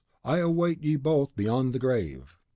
I await ye both beyond the grave!"